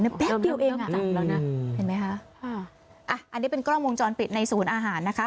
แป๊บเดียวเองอันนี้เป็นกล้องวงจรปิดในศูนย์อาหารนะคะ